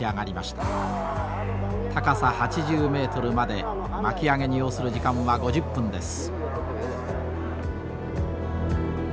高さ８０メートルまで巻き上げに要する時間は５０分です。